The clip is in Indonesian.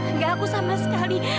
enggak aku sama sekali